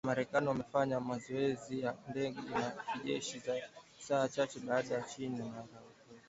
Japan na Marekani wamefanya mazoezi ya ndege za kijeshi saa chache baada ya China na Russia